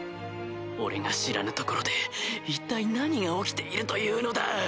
俺が知らぬ所で一体何が起きているというのだ！